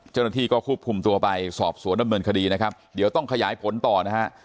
เจ้าหน้าที่ก็ควบคุมตัวไปสอบสวนดำเนินคดีนะครับเดี๋ยวต้องขยายผลต่อนะฮะ